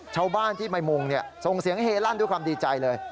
ชาวบ้านที่มามุงส่งเสียงเฮลั่นด้วยความดีใจเลย